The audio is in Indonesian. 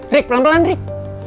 rick pelan pelan rick